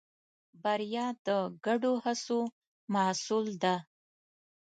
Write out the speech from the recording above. بریا د ګډو هڅو محصول ده.